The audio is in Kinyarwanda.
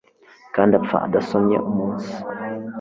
Kandi apfa adasomye umunsi